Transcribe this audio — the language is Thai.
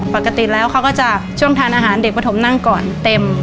ปกติแล้วเขาก็จะช่วงทานอาหารเด็กประถมนั่งก่อนเต็ม